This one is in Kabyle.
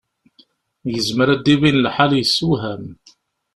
Yezmer ad d-ibin lḥal yessewham.